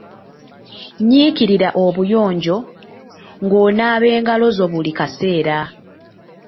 Nyiikirira obuyonjo ng’onaaba engalo zo buli kaseera.